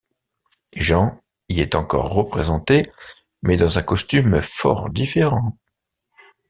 Jean y est encore représenté, mais dans un costume fort différent.